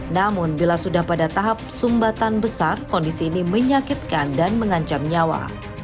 namun bila sudah pada tahap sumbatan besar kondisi ini menyakitkan dan mengancam nyawa